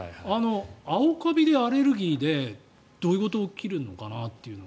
青カビでアレルギーでどういうことが起きるのかなって。